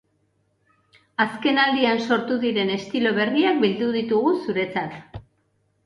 Azken aldian, sortu diren estilo berriak bildu ditugu zuretzat.